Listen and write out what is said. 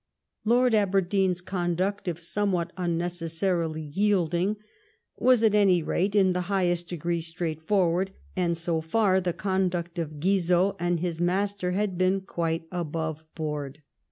'* Lord Aberdeen's conduct, if somewhat unnecessarily yielding, was, at any rate, in the highest degree straight forward, and so far the conduct of Guizot and his master had been quite above board.